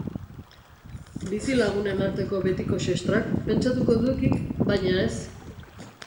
Bizilagunen arteko betiko xextrak, pentsatuko duk hik, baina ez.